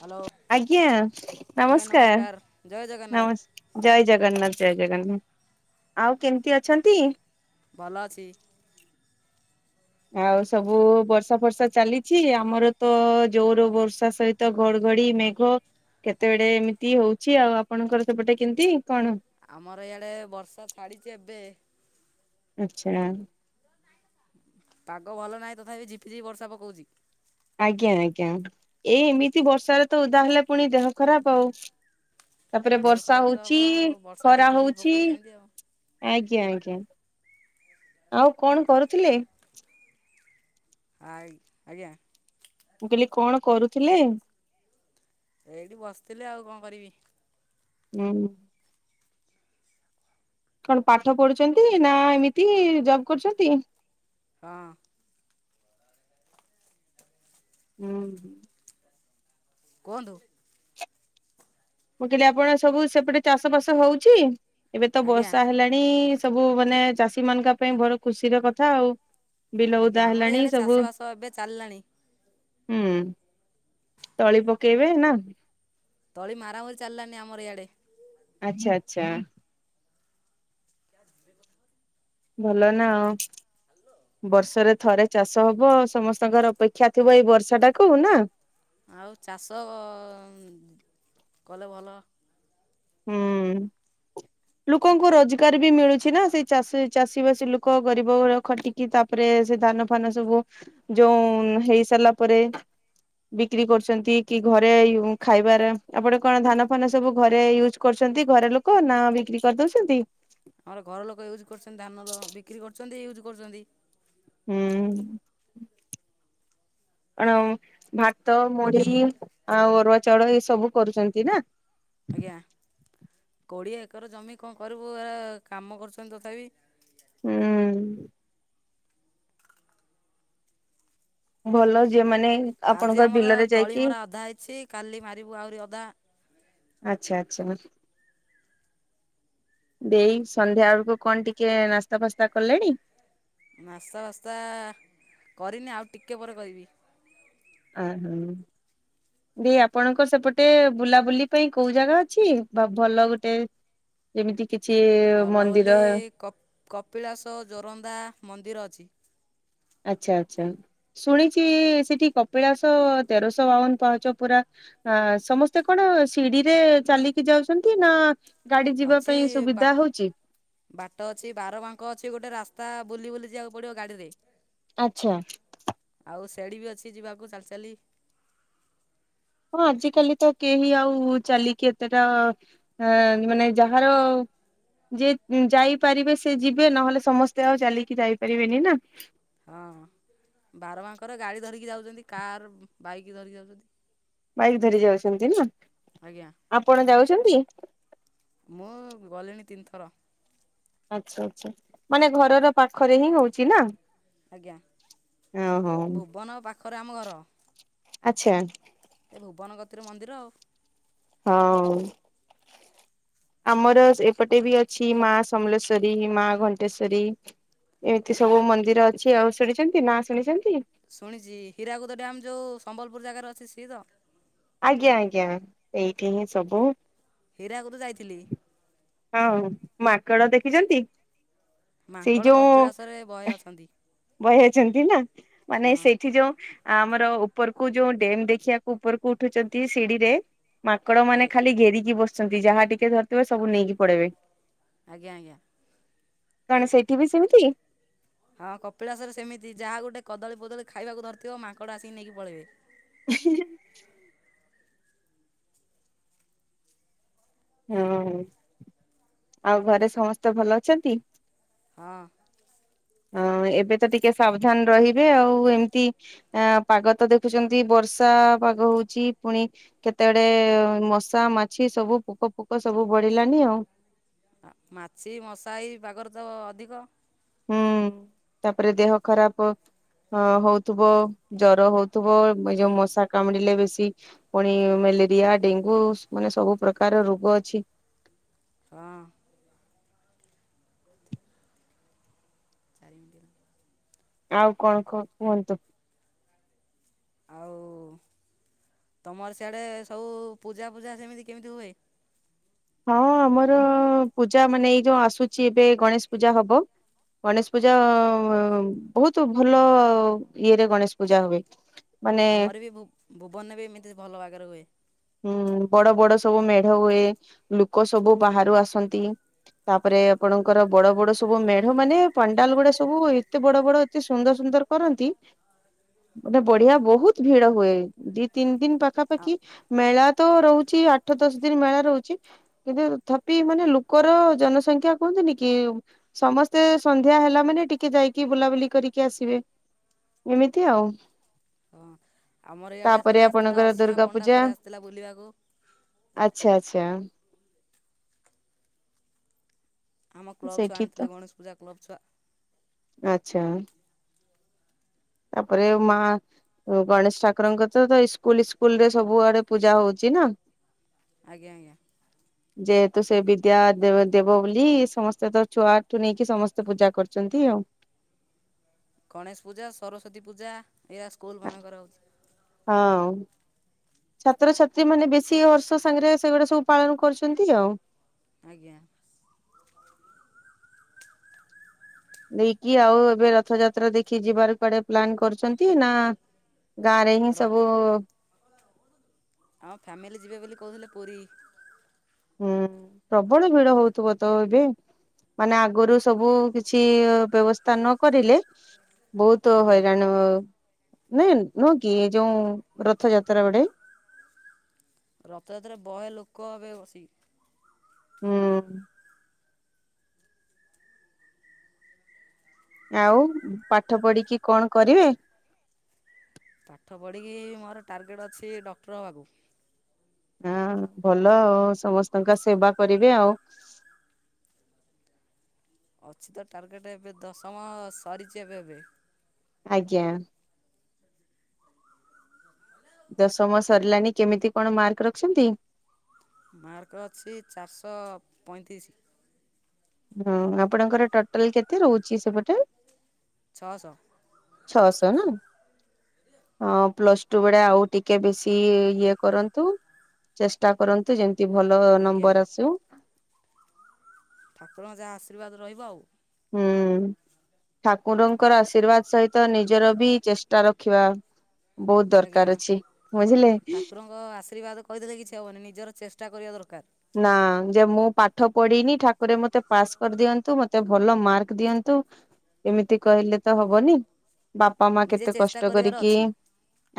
Hello ଆଜ୍ଞା ଆଜ୍ଞା ନମସ୍କାର ଜୟ ଜଗନ୍ନାଥ ନମସ୍ ଜୟ ଜଗନ୍ନାଥ ଜୟ ଜଗନ୍ନାଥ। ଆଉ କେମିତି ଅଛନ୍ତି? ଭଲ ଅଛି। ଆଉ ସବୁ ବର୍ଷା ଫର୍ଷା ଚାଲିଛି ଆମର ତ ଜୋର ବର୍ଷା ସହି ତ ଘଡଘଡି ମେଘ କେତେବେଡେ ଏମିତି ହଉଛି। ଆଉ ଆପଣଙ୍କର ସେପଟେ କେମିତି କଣ? ଆମର ଇଆଡ଼େ ବର୍ଷା ଛାଡ଼ିଛି ଏବେ। ଆଚ୍ଛା। ପାଗ ଭଲ ନାହିଁ ତଥାପି ଝିପିଝିପି ବର୍ଷା ପକଉଛି। ଆଜ୍ଞା ଆଜ୍ଞା ଏଇ ଏମିତି ବର୍ଷାରେ ତ ଓଦା ହେଲେ ପୁଣି ଦେହ ଖରାପ ଆଉ। ତାପରେ ଆଉ ଦେହ ବର୍ଷା ଖରାପ ତ ହବ ହଉଛି ଆଉ ବର୍ଷା ଖରା ଝିପିଝିପି ହଉଛି। ପକଉଛି ସେମିତି ଆଉ ଆଜ୍ଞା ଆଜ୍ଞା। ଆଉ କଣ କରୁଥିଲେ? ଆ ଆଜ୍ଞା। ମୁଁ କହିଲି କଣ କରୁଥିଲେ? ଏଇଠି ବସିଥିଲି। ଆଉ କଣ କରିବି? ହୁଁ। କଣ ପାଠ ପଢୁଛନ୍ତି ନା ଏମିତି ଜବ କରୁଛନ୍ତି? ହଁ। ଉଁ ହୁଁ। କୁହନ୍ତୁ। ମୁଁ କହିଲି ଆପଣ ସବୁ ସେପଟେ ଚାଷ ବାସ ହଉଛି? ଏବେ ତ ଆଜ୍ଞା ବର୍ଷା ହେଲା ଣି ସବୁ ମାନେ ଚାଷୀ ମାନକା ପାଇଁ ବଡ ଖୁସିର କଥା ଆଉ। ବିଲ ଆଜ୍ଞା ଓଦା ଆମର ହେଲାଣି ଇଆଡ଼େ ସବୁ। ଚାଷବାସ ଏବେ ଚାଲିଲାଣି ହୁଁ ତଳି ପକେଇବେ ନା। ତଳି ମାରାମରି ଚାଲିଲାନି ଆମର ଇଆଡେ। ଆଚ୍ଛା ଆଚ୍ଛା। ୟାର ଧୀରେ ଗ ଭଲ ନା ବର୍ଷରେ ଥରେ। ଚାଷ ହବ ସମସ୍ତଙ୍କର ଅପେକ୍ଷା ଥିବ ଏଇ ବର୍ଷା ଟାକୁ ନା। ଆଉ ଚାଷ ଉଁ କଲେ ଭଲ। ହୁଁ। ଲୋକଙ୍କୁ ରୋଜଗାର ବି ମିଳୁଛି ନା ସେଇ ଚାଷି ଚାଷୀ ବାସି ଲୋକ ଗରିବ ଗୁରା ଖଟି କି ତାପରେ ସେ ଧାନ ଫାନ ସବୁ ଯୋଉଁ ହେଇ ସାରିଲା ପରେ। ବିକ୍ରି କରୁଛନ୍ତି କି ଘରେ ଏଇ ଉଁ ଖାଇବାରେ ଆପଣ କଣ ଧାନ ଫାନ ସବୁ ଘରେ ୟୁ ଜ କରୁଛନ୍ତି ଘର ଲୋକ ନା ବିକ୍ରି କରିଦଉଛନ୍ତି? ଆମର ଘର ଲୋକ ୟୁଜ୍ କରୁଛନ୍ତି ଧାନର ବିକ୍ରି କରୁଛନ୍ତି, ୟୁଜ୍ କରୁଛନ୍ତି। ହୁଁ ଆ [inaudible] ଆଣମ ଭାତ, ମୁଢି ଆଉ ଅରୁଆ ଚାଉଳ ଏ ସବୁ କରୁଛନ୍ତି ନା। ଆଜ୍ଞା। କୋଡ଼ିଏ ଏକର ଜମି କଣ କରିବୁ? ଏ କାମ କରୁଛନ୍ତି ତଥାପି। ହୁଁ। ଭଲ ଯେଉମାନେ। ଆଜି ଆମର ତଳିମରା ଅଧା ହେଇଛି କାଲି ମାରିବୁ ଆହୁରି ଅଧା। ଆଚ୍ଛା ଆଚ୍ଛା [unintelligible] ଦେଇ ସନ୍ଧ୍ୟା ବେଳକୁ କଣ ଟିକେ ନାସ୍ତା ଫାସ୍ତା କଲେଣି? ନାସ୍ତା ଫାସ୍ତା କରିନି ଆଉ ଟିକେ ପରେ କରିବି। ଆଁ ହଁ। ଦେଇ ଆପଣଙ୍କର ସେପଟେ ବୁଲାବୁଲି ପାଇଁ କୋଉ ଜାଗା ଅଛି ବ ଭଲ ଗୁଟେ? ଯେମିତି କିଛି। ଉଁ ଭଲ ବୋଲି ମନ୍ଦିର କ-କପିଳାସ, ଜୋରନ୍ଦା ମନ୍ଦିର ଅଛି। ଆଚ୍ଛା ଆଚ୍ଛା ଶୁଣିଛିି ସେଠି କପିଳାସ ତେରଶହ ବାଉନ ପାହାଚ ପୁରା। ଆ ସମସ୍ତେ କଣ ଶିଡିିରେ ଚାଲିକି ଯାଉଛନ୍ତି ନା? ଗାଡି ଯିବା ଅଛି ପାଇଁ ବା ସୁବିଧା ହଉଛି। ବାଟ ଅଛି ବାର ବାଙ୍କ ଅଛି ଗୋଟେ ରାସ୍ତା ବୁଲି ବୁଲି ଯିବାକୁ ପଡିବ ଗାଡିରେ। ଆଚ୍ଛା। ଆଉ ସେଡ଼ି ବି ଅଛି ଯିବାକୁ ଚାଲି ଚାଲି। ହଁ ଆଜିିକାଲି ତ କେହି ଆଉ ଚାଲିକି ଏତେଟା ଏଁ ମାନେ ଯାହାର ଯିଏ ଯାଇପାରିବେ ସେ ଯିବେ ନହେଲେ ସମସ୍ତେ ଆଉ ଚାଲିକି ଯାଇପାରିବେନି ନାଁ। ହଁ ବାର ବାଙ୍କର ଗାଡ଼ି ଧରିକି ଯାଉଚନ୍ତି କାର୍ ବାଇକ୍ ଧରି ଯାଉଚନ୍ତି। ବାଇକ୍ ଧରି ଯାଉଚନ୍ତି ନା ଆଜ୍ଞା ଆପଣ ଯାଉଛନ୍ତ? ମୁଁ ଗଲିଣି ତିନିଥର। ଆଚ୍ଛା, ଆଚ୍ଛା, ମାନେ ଘରର ପାଖରେ ହିଁ ହଉଚି ନାଁ? ଆଜ୍ଞା, ଭୁବନ ପାଖରେ ଆମ ଘର। ଆଚ୍ଛା। ଏ ଭୁବନ କତିରେ ମନ୍ଦିର ଆଉ। ହଁ। ଆମର ଏପଟେ ବି ଅଛି, ମା ସମଲେଶ୍ଵରୀ, ମା ଘଣ୍ଟେଶ୍ଵରୀ। ଏମିତି ସବୁ ମନ୍ଦିର ଅଛି ଆଉ, ଶୁଣିଛନ୍ତି ନାଁ ଶୁଣିଛନ୍ତି? ଶୁଣିଚି ହୀରାକୁଦ ଡ୍ୟମ୍ ଯୋଉ ସମ୍ବଲପୁର ଜାଗାର ଅଛି, ସିଏ ତ? ଆଜ୍ଞା, ଆଜ୍ଞା, ଏଇଠି ହିଁ ସବୁ। ହୀରାକୁଦ ଯାଇଥିଲି। ହଁ ମାଙ୍କଡ଼ ଦେଖିଛନ୍ତି? ମାଙ୍କଡ କପିଳାସରେ ବହେ ଅଛନ୍ତି। ବହେ ଅଛନ୍ତି ନାଁ ମାନେ ହଁ ସେଇଠି ଯୋଉଁ ଆମର ଉପରକୁ ଯୋଉଁ ଡେମ୍ ଦେଖିଆକୁ ଉପରକୁ ଉଠୁଚନ୍ତି ଶିଡିି଼ରେ ମାଙ୍କଡ଼ମାନେ ଆଜ୍ଞା ଖାଲି ଘେରିକି ବସଚନ୍ତି, ଯାହା ଟିକେ ଧରିଥିବ ସବୁ ନେଇକି ପଳେଇବେ। ଆଜ୍ଞା, ଆଜ୍ଞା। କଣ ସେଇଠି ବି ସେମତି? ହଁ କପିଳାସରେ ସେମିତି ଯାହା ଗୋଟେ କଦଳୀ ଫଦଳୀ ଖାଇବାକୁ ଧରିଥିବ ମାଙ୍କଡ଼ ଆସି ନେଇକି ପଳେଇବେ। ହିଁ ହିଁ। ହଁ ଆଉ ଘରେ ସମସ୍ତେ ଭଲ ଅଛନ୍ତି? ହଁ। ହଁ ଏବେ ତ ଟିକେ ସାବଧାନ ରହିବେ ଆଉ ଏମତି ଆଁ ପାଗ ତ ଦେଖୁଚନ୍ତି ବର୍ଷା ପାଗ ହଉଚି ପୁଣି କେତେଅଡ଼େ ମଶା ମାଛି ସବୁ ପୋକ ଫୋକ ସବୁ ବଢି଼ଲାନି ଆଉ। ଆ ମାଛି ମଶା ଏଇ ପାଗରେ ତ ଅଧିକ। ହୁଁ, ତାପରେ ଦେହ ଖରାପ ଅ ହଉଥୁବ, ଜର ହଉଥୁବ। ମୁଁ ଏଇ ଯୋଉ ମଶା କାମୁଡ଼ିଲେ ବେଶୀ ପୁଣି ମେଲେରିଆ, ଡେଙ୍ଗୁ ସ୍ ମାନେ ସବୁ ପ୍ରକାର ରୋଗ ଅଛି। ହଁ। ଜଯ ଗୁ ଚାରି ମିିଣ୍ଟିଏ ର। ଆଉ କଣ କୁ କୁହନ୍ତୁ? ଆଉ ତମର ସିଆଡ଼େ ସବୁ ପୂଜା ଫୂଜା ସେମିତି କେମିତି ହୁଏ? ହଁ ଆମର ପୂଜା ମାନେ ଏଇ ଯୋଉ ଆସୁଚି ଏବେ ଗଣେଶ ପୂଜା ହବ। ଗଣେଶ ପୂଜା ବହୁତ ଭଲ ଇଏରେ ଗଣେଶ ପୂଜା ହୁଏ। ମାନେ ଆମର ବି ଭୁ ଭୁବନରେ ବି ଏମିତି ଭଲ ବାଗରେ ହୁଏ। ହୁଁ ବଡ଼ ବଡ଼ ସବୁ ମେଢ଼ ହୁଏ, ଲୁକ ସବୁ ବାହାରୁ ଆସନ୍ତି। ତାପରେ ଆପଣଙ୍କର ବଡ଼ ବଡ଼ ସବୁ ମେଢ଼ ମାନେ ପାଣ୍ଡାଲ ଗୁଡ଼ା ସବୁ ଏତେ ବଡ଼ ବଡ଼ ତେ ସୁନ୍ଦର ସୁନ୍ଦର କରନ୍ତି। [inaudible] ଗୋଟେ ବଢ଼ିଆ ବହୁତ ଭିଡ଼ ହୁଏ, ଦି ତିନି ଦିନ ଆ ପାଖାପାଖି ମେଳା ତ ରହୁଚି ଆଠ ଦଶ ଦିନ ମେଳା ରହୁଚି। କିନ୍ତୁ ଥପି ମାନେ ଲୋକର ଜନସଂଖ୍ୟା କୁହନ୍ତିନି କି। ସମସ୍ତେ ସନ୍ଧ୍ୟା ହେଲା ମାନେ ଟିକେ ଯାଇକି ବୁଲାବୁଲି କରିକି ଆସିବେ। ଏମିତି ଆଉ। ହଁ ଆମର ଇଆଡେ ତାପରେ ଥରେ ଆସିଥିଲା ଆପଣଙ୍କର ଅସୀମା ଦୁର୍ଗା ପଣ୍ଡା ପୂଜା ଥରେ ଆସିଥିଲା ବୁଲିବାକୁ। ଆଚ୍ଛା ଆଚ୍ଛା। ଆମ କ୍ଲବ୍ ଛୁଆ ସେଇଠି ତ। ଆଣିଥିଲେ ଗଣେଶ ପୂଜା କ୍ଲବ୍ ଛୁଆ। ଆଚ୍ଛା। ତାପରେ ମା ଉଁ ଗଣେଶ ଠାକୁରଙ୍କୁ ତ ତ ଇସ୍କୁଲ୍ ଇସ୍କୁଲରେ ସବୁ ଆଡେ ପୂଜା ହଉଛି ନା। ଆଜ୍ଞା ଆଜ୍ଞା। ଯେହେତୁ ସେ ବିଦ୍ୟା ଦେବ ଦେବ ବୋଲି ସମସ୍ତେ ତ ଛୁଆଠୁ ନେଇକି ସମସ୍ତେ ପୂଜା କରୁଛନ୍ତି ଆଉ। ଗଣେଶ ପୂଜା ସରସ୍ଵତୀ ପୂଜା ଏଇଆ ସ୍କୁଲମାନଙ୍କରେ ହଉଛି। ହଁ। ଛାତ୍ରଛାତ୍ରୀମାନେ ବେଶୀ ବର୍ଷ ସାଙ୍ଗେରେ ସେଗୁଡା ସବୁ ପାଳନ କରୁଛନ୍ତି ଆଉ। ଆଜ୍ଞା। ଦେଇକି ଆଉ ଏବେ ରଥଯାତ୍ରା ଦେଖି ଯିବାରେ କୁଆଡେ ପ୍ଲାନ୍ କରୁ ଛନ୍ତି ନା ଗାଁରେ ହିଁ ର ସବୁ ଆମ ଫ୍ୟାମିଲି ଯିବେ ବୋଲି କହୁଥିଲେ ପୁରୀ। ହୁଁ ପ୍ରବଳ ଭିଡ ହଉଥୁବ ତ ଏବେ। ମାନେ ଆଗୁରୁ ସବୁ କିଛି ଅ ବ୍ୟବସ୍ତା ନ କରିଲେ ବୋହୁତ ଆଜ୍ଞା। ହଇରାଣ ନୁହେଁନ୍ ନୁହଁ କି ଏ ଯୋଉଁ ରଥଯାତ୍ରା ବଡେ। ରଥଯାତ୍ରାରେ ବହେ ଲୋକ ହେବେ ବସିକି। ହୁଁ। ଆଉ ଉଁ ପାଠ ପଢିକି କଣ କରିବେ। ପାଠ ପଢିକି ମୋର ଟାର୍ଗେଟ୍ ଅଛି ଡକ୍ଟର ହବାକୁ। ହଁ ଭଲ ଆଉ ସମସ୍ତଙ୍କ ସେବା କରିବେ ଆଉ। ଅଛି ତ ଟାର୍ଗେଟେ ଏବେ ଦଶମ ସରିଛି ଏବେ ଏବେ। ଆଜ୍ଞା। ଦଶମ ସରିଲାଣି କେମିତି କଣ ମାର୍କ ରଖିଛନ୍ତି। ମାର୍କ ଅଛି ଚାରଶ ପଇଁତିରିଶି। [unintelligible] ଆପଣଙ୍କର ଟୋଟାଲ୍ କେତେ ରହୁଛି ସେପଟେ। ଛଅଶ। ଛଅଶ ନା। ଅଁ ପ୍ଲସ୍ ଟୁ ବେଡେ ଆଉ ଟିକେ ବେଶି ଇଏ ଇଏ କରନ୍ତୁ ଚେଷ୍ ଟା କରନ୍ତୁ ଯେମତି ଭଲ ଆଜ୍ଞା ନମ୍ବର ଆସୁ। ଠାକୁରଙ୍କ ଯାହା ଆଶୀର୍ବାଦ ରହିବ ଆଉ। ହୁଁ ଠାକୁରଙ୍କର ଆଶୀର୍ବାଦ ସହିତ ନିଜର ବି ଚେଷ୍ଟା ରଖିବା। ବୋହୁତ ଦରକାର ଅଛି ବୁଝିଲେ। ଗ ଆଶୀର୍ବାଦ କହିଦେଲେ କିଛି ହବନି ନିଜର ଚେଷ୍ଟା କରିବା ଦରକାର। ନା ଯେ ମୁଁ ପାଠ ପଢିନି ଠାକୁରେ ମତେ ପାସ୍ କରିଦିଅନ୍ତୁ ମତେ ଭଲ ମାର୍କ ଦିଅନ୍ତୁ। ଏମିତି କହିଲେ ତ ହବନି ବାପା ମା ନିଜେ କେତେ ଚେଷ୍ଟା କଷ୍ଟ କରିବାର କରିକି ଅଛି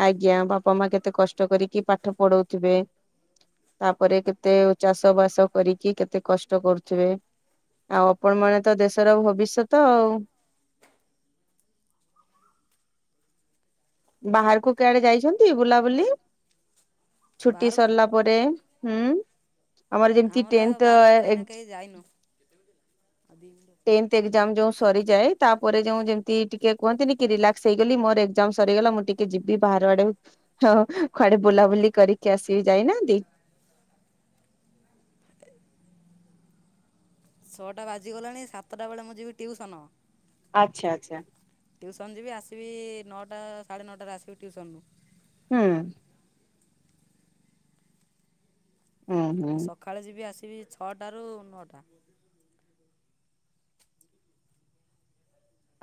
ଆଜ୍ଞା ବାପ ମା କେତେ କଷ୍ଟ କରିକି ପାଠ ପଢଉଥିବେ। ତାପରେ କେତେ ଚାଷ ବାସ କରିକି କେତେ କଷ୍ଟ କରୁଥିବେ। ଆଉ ଆପଣ ମାନେ ତ ଦେଶର ଭବିଷ୍ୟତ ଆଉ। ବାହାରୁକୁ କୁଆଡେ ଯାଇଛନ୍ତି ବୁଲାବୁଲି ଛୁଟି ବାହାରକୁ ସରିଲା ପରେ ହୁଁ। ଆମର ଯେମତି ଟେନ୍ତ ବାହାରକୁ ଆଡ଼େ ଏଇନା ଏଗ୍ଜ୍ କେହି ଯାଇନୁ ଟେନ୍ ତେ ଏଗ୍ଜାମ୍ ଯୋଉ ସରିଯାଏ ତାପରେ ଯେଉଁ ଯେମତି ଟିକେ କୁହନ୍ତିନି କି ରିଲାକ୍ସ ହେଇଗଲି ମୋର ଏଗ୍ଜାମ୍ ସରିଗଲା ମୁଁ ଟିକେ ଯିବି ବାହାର ଆଡେ ଉ ହ ହ ଖୁଆଡେ ବୁଲାବୁଲି କରିକି ଆସିବି ଯାଇନାହାନ୍ତି। [inaudible] ଛଅଟା ବାଜିଗଲାଣି ସାତଟା ବେଳେ ମୁଁ ଯିବି ଟିୟୁସନ। ଆଚ୍ଛା ଆଚ୍ଛା। ଟ୍ୟୁସନ୍ ଯିବି ଆସିବି ନଅଟା ସାଢ଼େ ନଅଟାରେ ଆସିବି ଟ୍ୟୁସନ୍‌ରୁ। ହୁଁ। ହୁଁ ହୁଁ। ଆଉ ସକାଳେ ଯିବି ଆସିବି ଛଅଟାରୁ ନଅଟା।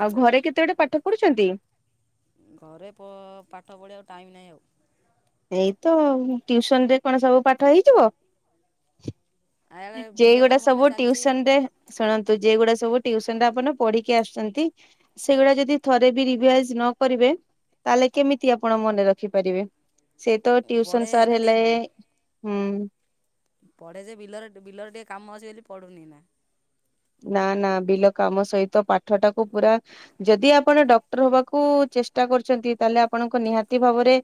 ଆଉ ଘରେ କେତେ ଗଟେ ପାଠ ପଢୁଛନ୍ତି। ଘରେ ପାଠ ପଢ଼ିବା ଆକୁ ଟାଇମ୍ ନାହିଁ ଆଉ। ଏଇତ ଆଉ ଟ୍ୟଉସନ ରେ କଣ ସବୁ ପାଠ ହେଇଯିବ। ଆଡ଼େ ଯେ ବିଲ ଏଇଗୁଡ଼ା କାମ ଏଇନା ସବୁ ଚାଲିଛି ଟିଉସନ ରେ ଶୁଣନ୍ତୁ ଯେ ଏଗୁଡା ସବୁ ଟିୟୁସନ ଟରେ ଆପଣ ପଢିକି ଆସୁଛନ୍ତି। ସେଗୁଡା ଯଦି ଥରେ ବି ରିଭାଇଜ ନ କରିବେ ତାହେଲେ କେମିତି ଆପଣ ମନେ ରଖି ପାରିବେ ସେ ତ ପଢ଼େ ଟିୟୁସନ ସାର୍ ଏଇନା ହେଲେ ଟିକେ ହୁଁ। ପଢ଼େ ଯେ ବିଲରେ ବିଲରେ ଟିକେ କାମ ଅଛି ବୋଲି ପଢ଼ୁନି ଏଇନା। ନା ନା ବିଲ କାମ ସହିତ ପାଠ ଟାକୁ ପୁରା ଯଦି ଆପଣ ଡକ୍ଟର ହବାକୁ ଚେଷ୍ଟା କରୁଛନ୍ତି ତାହେଲେ ଆପଣଙ୍କୁ ନିହାତି ଭାବରେ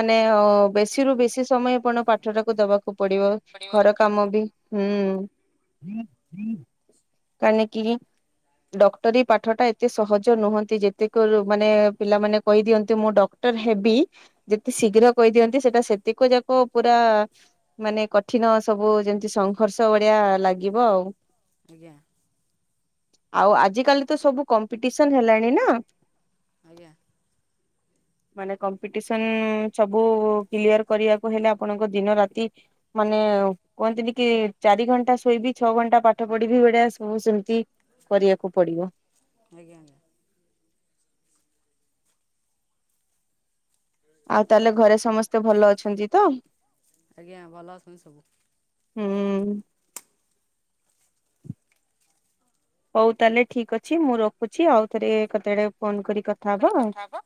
ମାନେ ଅ ବେଶୀ ରୁ ବେଶୀ ସମୟ ଆପଣ ପାଠ ଟାକୁ ଦବାକୁ ପଡିବ ଘର କାମ ବି। ହୁଁ। ପାନିକି କି। ଡକ୍ଟରୀ ପାଠ ଟା ଏତେ ସହଜ ନୁହନ୍ତି ଯେତେକ ମାନେ ପିଲାମାନେ କହିଦିଅନ୍ତି ମୁଁ ଡ ଡକ୍ଟର ହେବି ଯେତେ ଶୀଘ୍ର କହିଦିଅନ୍ତି ସେଟା ସେତିକ ଯାକ ପୁରା ମାନେ କଠିନ ସବୁ ଯେମିତି ସଂଘର୍ଷ ଭଳିଆ ଲାଗିବ ଆଉ। ଆଜ୍ଞା। ଆଉ ଆଜି କାଲି ତ ସବୁ କମ୍ପିଟିସନ ହେଲାଣି ନା। ଆଜ୍ଞା। ମାନେ କମ୍ପିଟିସନ ସବୁ କ୍ଳିଅର କରିବାକୁ କହେଲେ ଆପଣଙ୍କ ଦିନ ରାତି ମାନେ କୁହନ୍ତିନି କି ଚାରି ଘଣ୍ଟା ଶୋଇବି ଛଅ ଘଣ୍ଟା ପା ପାଠ ପଢିବି ଭଳିଆ ସବୁ ସେମିତି କରିବାକୁ ପଡିବ। ଆଜ୍ଞା ଆଜ୍ଞା। ଆଉ ତାହେଲେ ଘରେ ସମସ୍ତେ ଭଲ ଅଛନ୍ତି ତ? ଆଜ୍ଞା ଭଲ ଅଛନ୍ତି ସବୁ ହୁଁ। ହୋଉ ତାହେଲେ ଠିକ୍ ଅଛି ମୁଁ ରଖୁଛି ଆଉ ଥରେ କତେବେଳେ ଫୋନ କରି କ କରି କଥା ହବ।